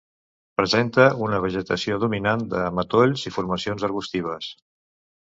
Presenta una vegetació dominant de matolls i formacions arbustives.